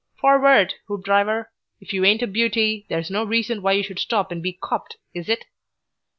FORWARD, Hoopdriver! If you ain't a beauty, that's no reason why you should stop and be copped, is it?"